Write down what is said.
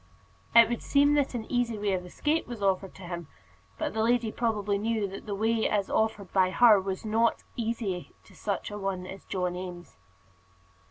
It would seem that an easy way of escape was offered to him; but the lady probably knew that the way as offered by her was not easy to such an one as John Eames.